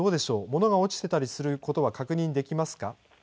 物が落ちてたりすることは確認できますか。